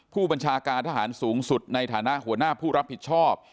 ผู้บัญชาการทหารสูงสุดในฐานะหัวหน้าผู้รับผิดชอบ